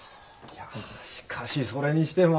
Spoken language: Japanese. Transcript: しかしそれにしても。